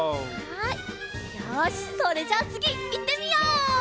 はいよしそれじゃあつぎいってみよう！